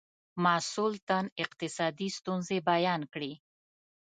مسئول تن اقتصادي ستونزې بیان کړې.